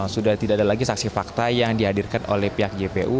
sudah tidak ada lagi saksi fakta yang dihadirkan oleh pihak jpu